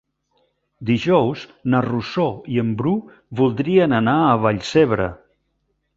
Dijous na Rosó i en Bru voldrien anar a Vallcebre.